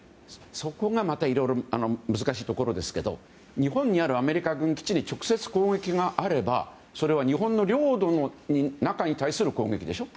そこが、またいろいろ難しいところですけど日本にあるアメリカ軍基地に直接、攻撃があればそれは日本の領土の中に対する攻撃でしょ。